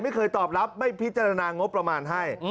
ไม่เคยตอบรับไม่พิจารณางบประมาณให้